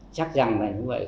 chắc rằng là như vậy